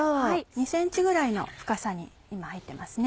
２ｃｍぐらいの深さに今入ってますね。